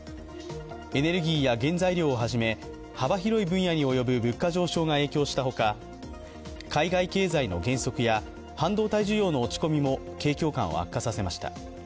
エネルギーや原材料を始め、幅広い分野に及ぶ物価上昇が影響したほか、海外経済の減速や半導体需要の落ち込みも景況感を悪化させました。